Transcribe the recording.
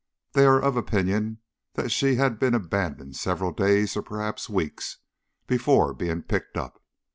They are of opinion that she had been abandoned several days, or perhaps weeks, before being picked up.